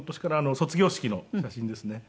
卒業式の写真ですね。